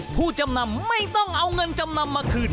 ผู้จำนำไม่ต้องเอาเงินจำนำมาคืน